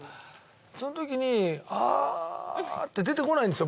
そのときに。って出てこないんですよ